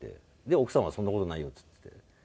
奥さんは「そんな事ないよ」っつってて。